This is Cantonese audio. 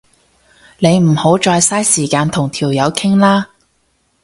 你唔好再嘥時間同條友傾啦